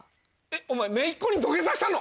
えっお前姪っ子に土下座したの？